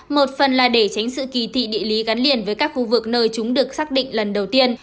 một phần là để tránh sự kỳ thị địa lý gắn liền với các khu vực nơi chúng được xác định lần đầu tiên